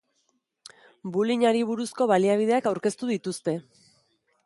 Bullyingari buruzko baliabideak aurkeztu dituzte.